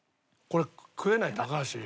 これ食えない高橋。